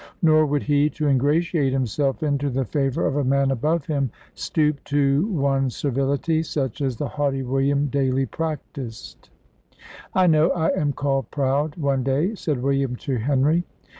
Nor would he, to ingratiate himself into the favour of a man above him, stoop to one servility, such as the haughty William daily practised. "I know I am called proud," one day said William to Henry.